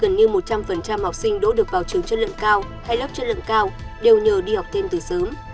gần như một trăm linh học sinh đỗ được vào trường chất lượng cao hay lớp chất lượng cao đều nhờ đi học thêm từ sớm